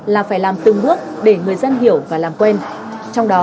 là phải làm từng bước để người dân hiểu và làm quen